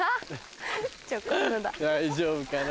大丈夫かな。